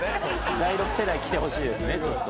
第６世代来てほしいですねちょっと。